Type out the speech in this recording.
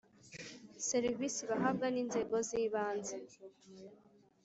Serivisi bahabwa n inzego zibanze